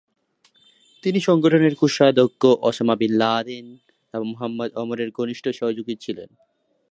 তিনি সংগঠনের কোষাধ্যক্ষ, ওসামা বিন লাদেন এবং মোহাম্মদ ওমরের ঘনিষ্ঠ সহযোগী ছিলেন।